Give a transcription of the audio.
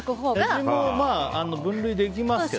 写真も分類できますけどね。